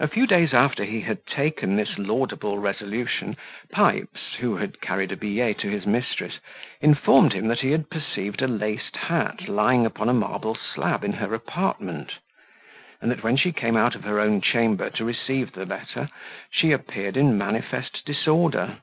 A few days after he had taken this laudable resolution, Pipes, who had carried a billet to his mistress, informed him that he had perceived a laced hat lying upon a marble slab in her apartment; and that when she came out of her own chamber to receive the letter, she appeared in manifest disorder.